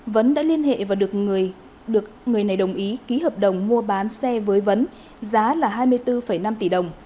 vấn đã liên hệ và được người này đồng ý ký hợp đồng mua bán xe với vấn giá là hai mươi bốn năm tỷ đồng